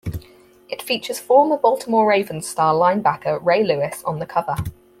It features former Baltimore Ravens star linebacker Ray Lewis on the cover.